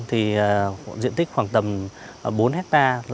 thì diện tích khoảng tầm bốn hectare